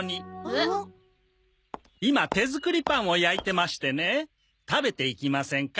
今手作りパンを焼いてましてね食べていきませんか？